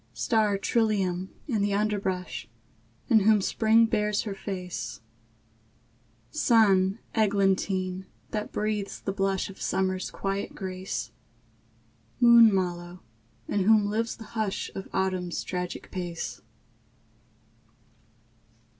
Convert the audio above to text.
Star trillium, in the underbrush, In whom Spring bares her face; Sun eglantine, that breathes the blush Of Summer's quiet grace; Moon mallow, in whom lives the hush Of Autumn's tragic pace.